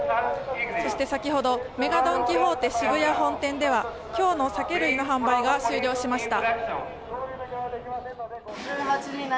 そして先ほどＭＥＧＡドン・キホーテ渋谷本店では今日の酒類の販売が終了しました。